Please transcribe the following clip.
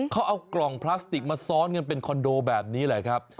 เขาเอากล่องพลาสติกมาซ้อนกันเป็นคอนโดแบบนี้แหละครับ